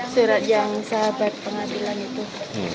surat yang sahabat pengadilan itu